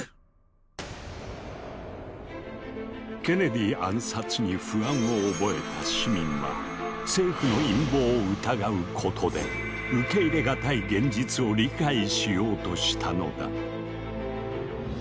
ケネディ暗殺に不安を覚えた市民は政府の陰謀を疑うことで受け入れがたい現実を理解しようとしたのだ。